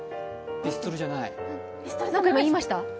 何か言いました？